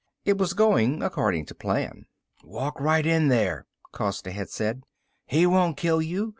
It was going according to plan. "Walk right in there," Costa had said. "He won't kill you.